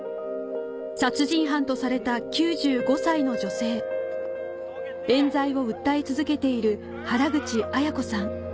殺人犯とされた９５歳の女性冤罪を訴え続けている原口アヤ子さん